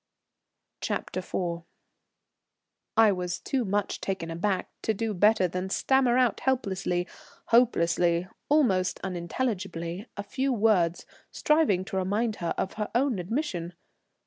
CHAPTER IV. I was too much taken aback to do better than stammer out helplessly, hopelessly, almost unintelligibly, a few words striving to remind her of her own admission.